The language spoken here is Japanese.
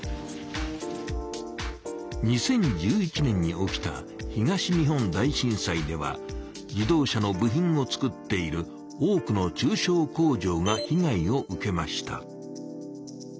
２０１１年に起きた東日本大震災では自動車の部品を作っている多くの中小工場が被害を受けました。